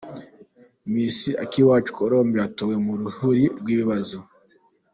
Miss Akiwacu Colombe yatowe mu ruhuri rw’ibibazo.